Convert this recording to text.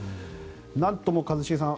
なんとも一茂さん